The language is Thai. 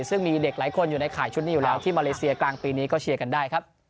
ซึ่งมีเด็กหลายคนอยู่ในข่ายชุดนี้อยู่แล้วที่มาเลเซียกลางปีนี้ก็เชียร์กันได้ครับ